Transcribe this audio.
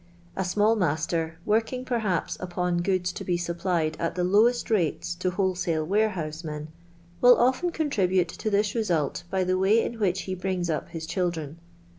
A small master, working, perhaps, upon goods to be supplied at the lowest rates to wholesale warehousemen, will often contribute to this result by the way in which he brings up his children.